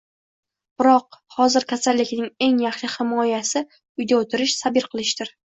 Biroq hozir kasallikdan eng yaxshi himoyauyda oʻtirish, sabr qilishdir